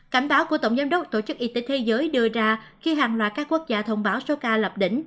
cảnh báo của tổng giám đốc tổ chức y tế thế giới đưa ra khi hàng loạt các quốc gia thông báo số ca lập đỉnh